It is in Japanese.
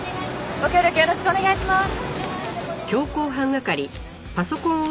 ご協力よろしくお願いします。